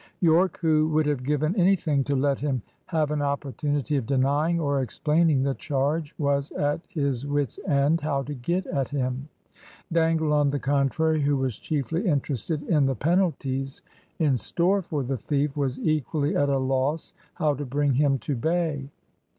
Yorke, who would have given anything to let him have an opportunity of denying or explaining the charge, was at his wits' end how to get at him. Dangle, on the contrary, who was chiefly interested in the penalties in store for the thief, was equally at a loss how to bring him to bay.